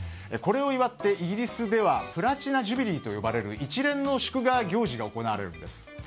これを祝ってイギリスではプラチナ・ジュビリーといわれる一連の祝賀行事が行われるんです。